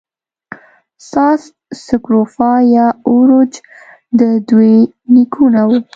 ساس سکروفا یا اوروچ د دوی نیکونه وو.